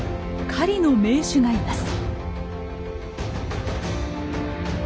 「狩りの名手」がいます。